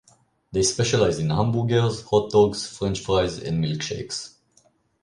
They specialize in hamburgers, hot dogs, French fries, and milkshakes.